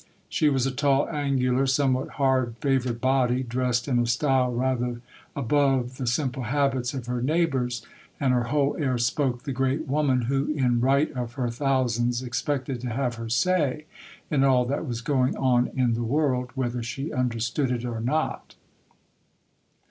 She was a tall, angular, somewhat hard favoured body, dressed in a style rather above the simple habits of her neighbours, and her whole air spoke the great woman, who in right of her thousands expected to have her say in all that was going on in the world, whether she understood it or not.